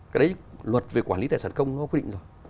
cái đấy luật về quản lý tài sản công nó quy định rồi